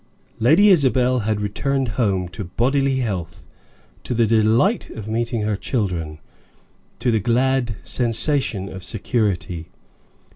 Lady Isabel had returned home to bodily health, to the delight of meeting her children, to the glad sensation of security.